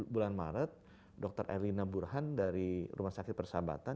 bulan maret dr erlina burhan dari rumah sakit persahabatan